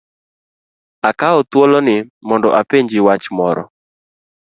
Akawo thuolo ni mondo apenji wach moro.